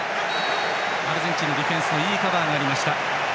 アルゼンチンのディフェンスいいカバーがありました。